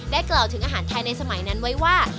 กล่าวถึงอาหารไทยในสมัยนั้นไว้ว่า